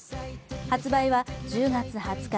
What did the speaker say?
発売は１０月２０日